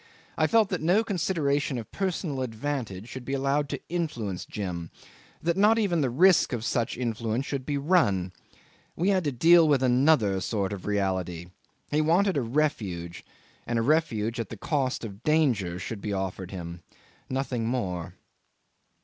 I felt that no consideration of personal advantage should be allowed to influence Jim; that not even the risk of such influence should be run. We had to deal with another sort of reality. He wanted a refuge, and a refuge at the cost of danger should be offered him nothing more.